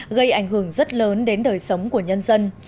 gây ảnh hưởng rất lớn đến đời sống của nhân dân